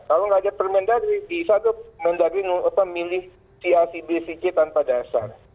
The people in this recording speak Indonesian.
kalau nggak ada permendagri bisa tuh mendagri milih si acb si c tanpa dasar